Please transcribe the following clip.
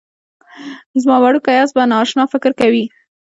زما وړوکی اس به نا اشنا فکر کوي